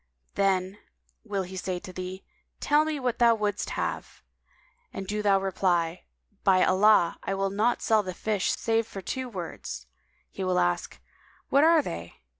Then will he say to thee, 'Tell me what thou wouldst have;' and do thou reply, "By Allah, I will not sell the fish save for two words!' He will ask, 'What are they?'